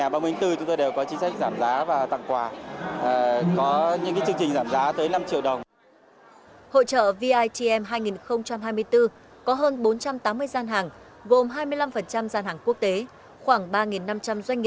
bao gồm rất nhiều hoạt động chuyên môn